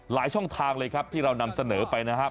ช่องทางเลยครับที่เรานำเสนอไปนะครับ